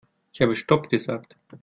Ich habe stopp gesagt.